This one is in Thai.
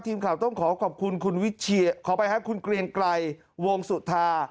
ทีมข่าวต้องขอขอบคุณคุณวิชชีขอบคุณกลียงไกลวงสุธา